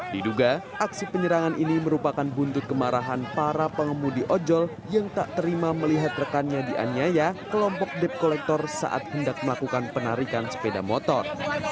diduga aksi penyerangan ini merupakan buntut kemarahan para pengemudi ojol yang tak terima melihat rekannya dianiaya kelompok dep kolektor saat hendak melakukan penarikan sepeda motor